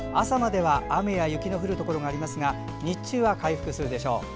朝までは雨や雪の降るところがありますが日中は回復するでしょう。